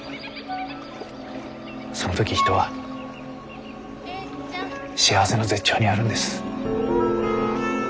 その時人は幸せの絶頂にあるんです。